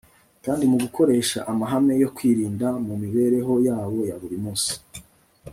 kandi mu gukoresha amahame yo kwirinda mu mibereho yabo ya buri munsi